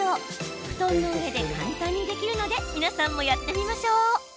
布団の上で簡単にできるので皆さんも、やってみましょう。